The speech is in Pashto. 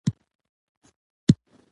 په اړه باید د افغانستان